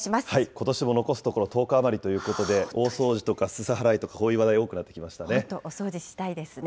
ことしも残すところ１０日余りということで、大掃除とか、すす払いとか、こういう話題、多くなってきましたね。